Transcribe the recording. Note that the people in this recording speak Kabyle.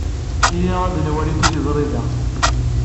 Iyya ad nwali tiliẓri da.